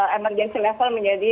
level kecemasan menjadi